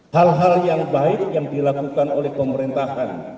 hal hal yang baik yang dilakukan oleh pemerintahan